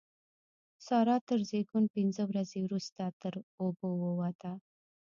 سارا تر زېږون پينځه ورځې روسته تر اوبو ووته.